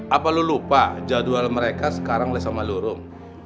apa lo lupa jadwal mereka sekarang lah sama lo rum